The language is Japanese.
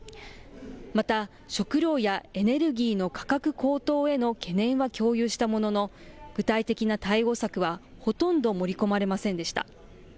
また、食料やエネルギーの価格高騰への懸念は共有したものの、具体的な対応策はほとんど盛り込まれませんでした。